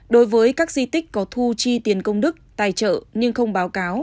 đối với các di tích có thu chi tiền công đức tài trợ nhưng không báo cáo